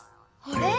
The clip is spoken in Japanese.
あれ？